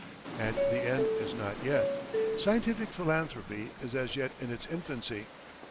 And the end is not yet. Scientific philanthropy is as yet in its infancy.